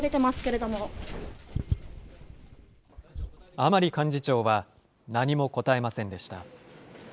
甘利幹事長は、何も答えませんでした。